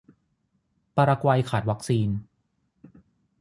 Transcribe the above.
ปารากวัยขาดวัคซีน